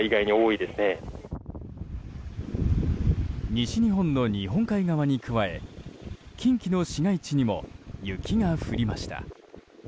西日本の日本海側に加え近畿の市街地にも雪が降りました。